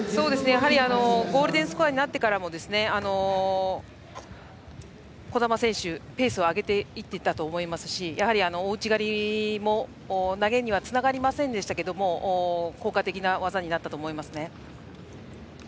やはりゴールデンスコアになってからも児玉選手、ペースを上げていっていたと思いますしやはり、大内刈りも投げにはつながりませんでしたが効果的な技になったと思います。